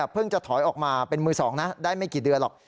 จะถอยออกมาเป็นมือ๒นะได้ไม่กี่เดือนหรอก